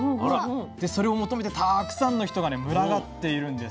でそれを求めてたくさんの人がね群がっているんです。